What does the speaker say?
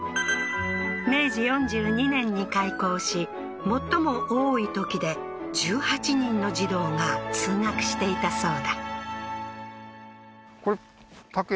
明治４２年に開校し最も多いときで１８人の児童が通学していたそうだ